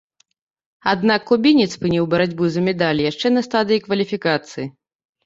Аднак кубінец спыніў барацьбу за медалі яшчэ на стадыі кваліфікацыі.